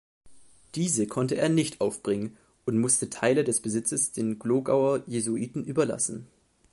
Diese konnte er nicht aufbringen und musste Teile des Besitzes den Glogauer Jesuiten überlassen.